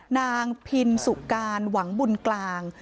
นางพินสุการหวังบุญกลาง